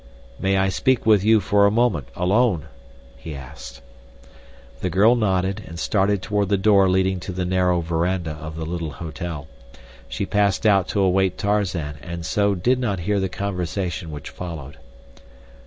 "May I speak with you for a moment, alone," he asked. The girl nodded and started toward the door leading to the narrow veranda of the little hotel. She passed out to await Tarzan and so did not hear the conversation which followed.